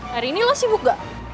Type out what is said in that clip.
hari ini lo sibuk gak